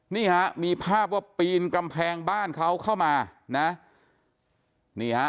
นี่หรอมีภาพว่าปีนกำแพงบ้านเขาเข้ามานะ